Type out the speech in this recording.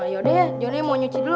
yaudah johnny mau nyuci dulu